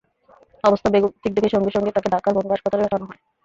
অবস্থা বেগতিক দেখে সঙ্গে সঙ্গে তাঁকে ঢাকার পঙ্গু হাসপাতালে পাঠানো হয়।